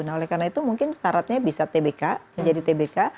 nah oleh karena itu mungkin syaratnya bisa tbk menjadi tbk